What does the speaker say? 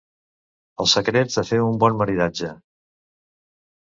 Els secrets per fer un bon maridatge.